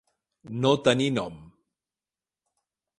No tenir nom.